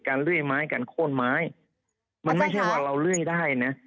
เลื่อยไม้การโค้นไม้มันไม่ใช่ว่าเราเลื่อยได้นะ